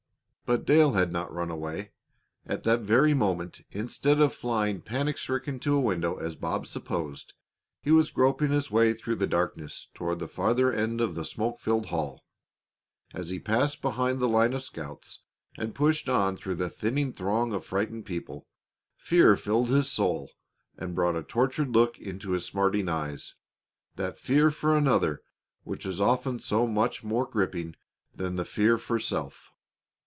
But Dale had not run away. At that very moment, instead of flying panic stricken to a window, as Bob supposed, he was groping his way through the darkness toward the farther end of the smoke filled hall. As he passed behind the line of scouts and pushed on through the thinning throng of frightened people, fear filled his soul and brought a tortured look into his smarting eyes that fear for another which is often so much more gripping than the fear for self.